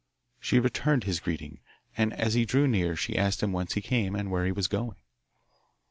She returned his greeting, and as he drew near she asked him whence he came and where he was going.